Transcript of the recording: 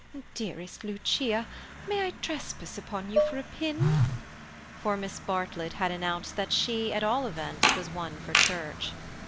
—"Dearest Lucia, may I trespass upon you for a pin?" For Miss Bartlett had announced that she at all events was one for church.